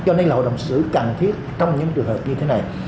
cho nên là hội đồng xử cần thiết trong những trường hợp như thế này